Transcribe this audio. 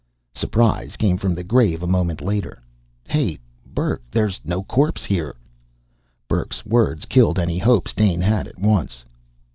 Surprise came from the grave a moment later. "Hey, Burke, there's no corpse here!" Burke's words killed any hopes Dane had at once.